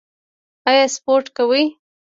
ایا سپورت کوئ؟